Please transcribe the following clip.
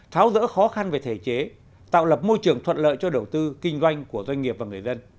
tháo rỡ khó khăn về thể chế tạo lập môi trường thuận lợi cho đầu tư kinh doanh của doanh nghiệp và người dân